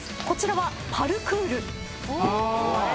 こちらはパルクール。